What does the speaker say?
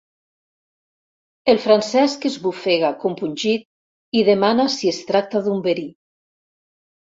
El Francesc esbufega, compungit, i demana si es tracta d'un verí.